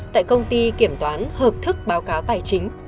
tại công ty kiểm toán hợp thức báo cáo tài chính